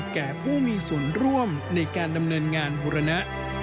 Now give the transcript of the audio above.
แก่ผู้มีส่วนร่วมในการดำเนินงานบุรณะ